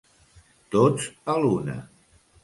Tots a l'una.